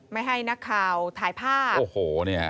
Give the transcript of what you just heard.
ไม่ให้นักข่าวถ่ายภาพโอ้โหเนี่ย